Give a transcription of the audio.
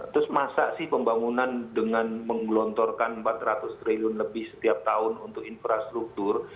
terus masa sih pembangunan dengan menggelontorkan empat ratus triliun lebih setiap tahun untuk infrastruktur